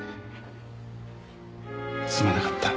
すまなかった。